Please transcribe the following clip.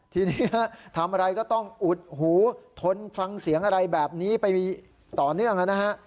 ทีนี้ทำอะไรก็ต้องอุดหูทนฟังเสียงอะไรแบบนี้ไปต่อเนื่องนะฮะ